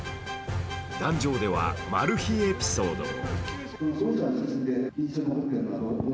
壇上ではマル秘エピソードも。